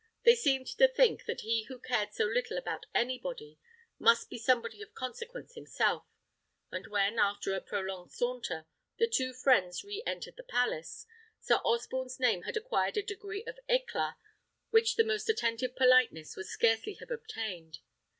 They seemed to think that he who cared so little about anybody, must be somebody of consequence himself; and when, after a prolonged saunter, the two friends re entered the palace, Sir Osborne's name had acquired a degree of éclât which the most attentive politeness would scarcely have obtained.